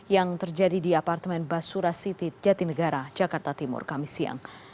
yang terjadi di apartemen basura city jatinegara jakarta timur kami siang